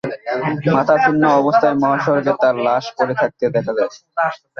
মাথা ছিন্ন অবস্থায় মহাসড়কে তাঁর লাশ পড়ে থাকতে দেখা যায়।